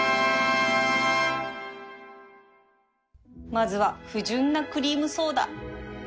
まずは不純なクリームソーダ